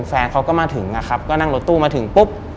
แฟนเขาก็มาถึงอะครับก็นั่งรถตู้มาถึงปุ๊บ